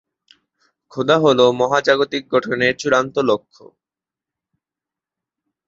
খোদা হল মহাজাগতিক গঠনের চূড়ান্ত লক্ষ্য।